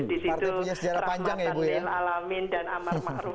di situ rahmatan dan amal makruh